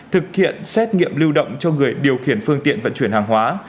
thực hiện xét nghiệm lưu động cho người điều khiển phương tiện vận chuyển hàng hóa